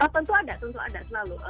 tentu ada tentu ada selalu